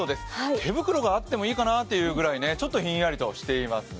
手袋があってもいいかなというくらい、ちょっとひんやりしています